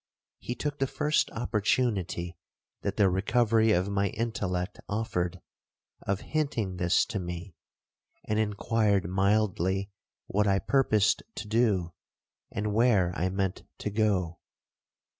He took the first opportunity that the recovery of my intellect offered, of hinting this to me, and inquired mildly what I purposed to do, and where I meant to go.